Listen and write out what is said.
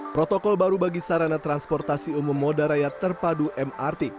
protokol baru bagi sarana transportasi umum moda raya terpadu mrt